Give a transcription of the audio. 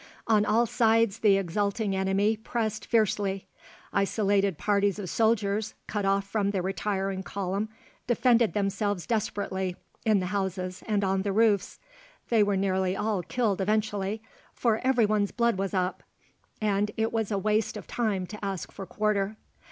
On all sides the exulting enemy pressed fiercely. Isolated parties of soldiers, cut off from the retiring column, defended themselves desperately in the houses and on the roofs. They were nearly all killed eventually, for everyone's blood was up, and it was a waste of time to ask for quarter.